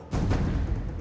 aku tidak ingin